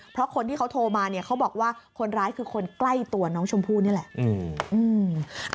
เพราะคนที่เขาโทรมาเนี่ยเขาบอกว่าคนร้ายคือคนใกล้ตัวน้องชมพู่นี่แหละ